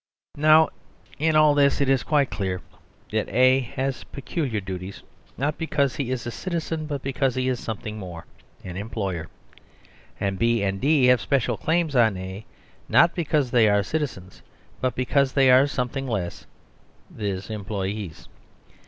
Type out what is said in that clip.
Now in all this it is quite clear that A has peculiar duties not because he is a citizen, but because he is something more : an employer ; and B and D have special claims on A, not because they are citizens, but becausetheyaresomethingless: viz. employees.